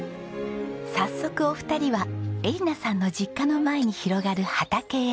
早速お二人は恵梨奈さんの実家の前に広がる畑へ。